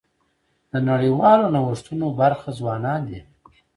د نړیوالو نوښتونو برخه ځوانان دي.